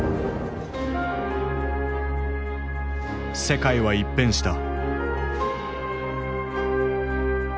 世界は一変した。